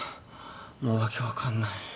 もう訳分かんない。